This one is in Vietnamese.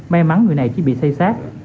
may mắn người này chỉ bị say sát